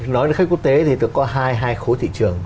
nói đến khách quốc tế thì có hai khối thị trường